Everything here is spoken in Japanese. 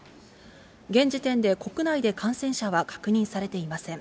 現時点で国内で感染者は確認されていません。